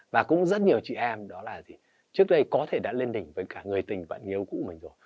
và cũng rất nhiều chị em đó là trước đây có thể đã lên đỉnh với cả người tình bạn hiếu cũ mình rồi